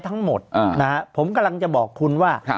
ทั้งหมดผมกำลังจะบอกคุณว่า